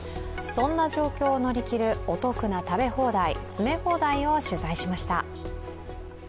そんな状況を乗り切るお得な食べ放題、詰め放題を取材しました。